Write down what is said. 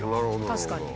確かに。